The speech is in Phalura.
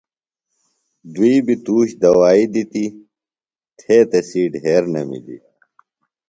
دُئیۡ بیۡ تُوش دوائیۡ دِتیۡ، تھےۡ تسی ڈھیۡر نمِلیۡ